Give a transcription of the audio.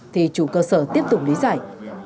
thì chủ cơ sở tiếp tục lý giải